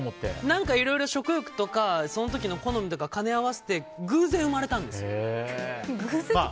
何かいろいろ食欲とかその時の好みとか兼ね合わせて偶然生まれたんです。